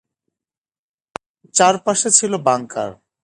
চারপাশে ছিল বাংকার।